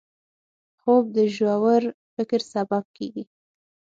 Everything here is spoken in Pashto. خوب د ژور فکر سبب کېږي